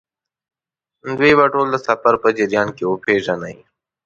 دوی به ټول د سفر په جریان کې وپېژنئ.